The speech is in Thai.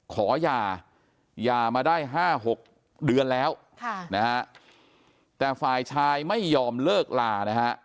หย่าหย่ามาได้๕๖เดือนแล้วแต่ฝ่ายชายไม่ยอมเลิกลานะฮะ